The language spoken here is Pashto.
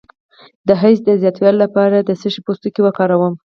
د حیض د زیاتوالي لپاره د څه شي پوستکی وکاروم؟